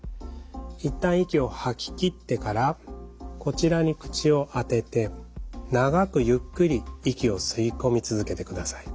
一旦息を吐ききってからこちらに口を当てて長くゆっくり息を吸い込み続けてください。